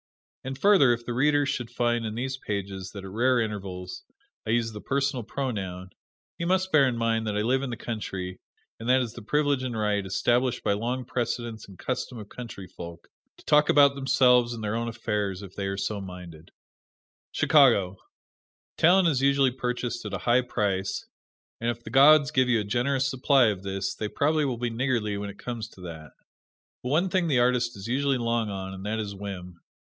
And further, if the Reader should find in these pages that, at rare intervals, I use the personal pronoun, he must bear in mind that I live in the country, and that it is the privilege and right, established by long precedent and custom of country folk, to talk about themselves and their own affairs if they are so minded. Chicago: Talent is usually purchased at a high price, and if the gods give you a generous supply of this, they probably will be niggardly when it comes to that. But one thing the artist is usually long on, and that is whim.